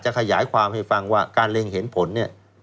ขยายความให้ฟังว่าการเล็งเห็นผลเนี่ย